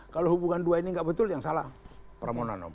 kalau hubungan dua ini nggak betul yang salah pramonom